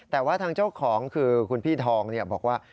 แต่ว่าทางเจ้าของคือคุณพี่ทองบอกว่า